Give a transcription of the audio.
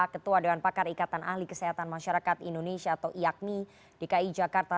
ketua dewan pakar ikatan ahli kesehatan masyarakat indonesia atau iakmi dki jakarta